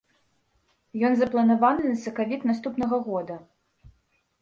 Ён запланаваны на сакавік наступнага года.